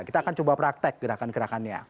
kita akan coba praktek gerakan gerakannya